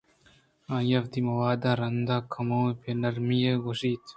آئیءَ وتی موداں رندان ءَ کمیں پہ نرمی ءَ گوٛشت